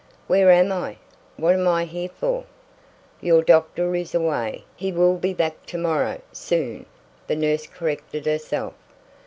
"Where am I? What am I here for?" "Your doctor is away, he will be back to morrow soon," the nurse corrected herself.